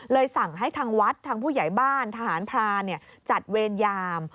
สั่งให้ทางวัดทางผู้ใหญ่บ้านทหารพรานจัดเวรยาม